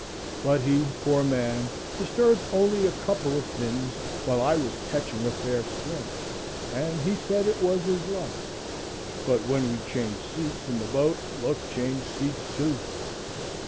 But he, poor man, disturbed only a couple of fins while I was catching a fair string, and he said it was his luck; but when we changed seats in the boat luck changed seats too.